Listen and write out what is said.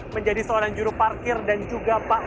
menjadi seorang juru parkir dan juru panggung